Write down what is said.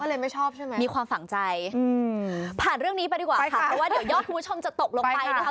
ถ้าเรนไม่ชอบใช่ไหมฝั่งใจอืมไปค่ะเดี๋ยวยอบคุณคุณผู้ชมจะตกลงไปนะคะ